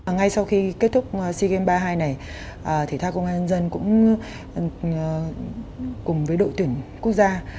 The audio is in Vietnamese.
ngay sau khi kết thúc sea games ba mươi hai này thể thao công an nhân dân cũng cùng với đội tuyển quốc gia